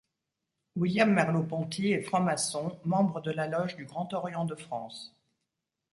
William Merlaud Ponty est franc-maçon, membre de la loge du Grand Orient de France.